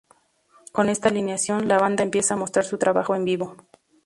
Con esta alineación, la banda empieza a mostrar su trabajo en vivo.